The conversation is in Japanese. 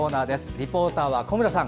リポーターは小村さん。